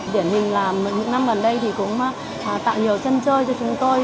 điển hình là những năm gần đây thì cũng tạo nhiều sân chơi cho chúng tôi